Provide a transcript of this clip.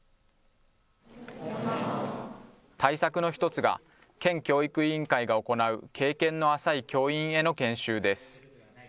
対策の一つが、県教育委員会が行う経験の浅い教員への研修です。